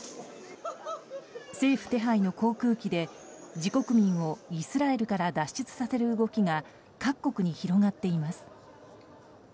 政府手配の航空機で自国民をイスラエルから脱出させる動きが各国に広がっています。